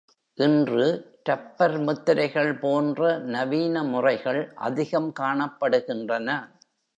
இன்று, ரப்பர் முத்திரைகள் போன்ற நவீன முறைகள் அதிகம் காணப்படுகின்றன.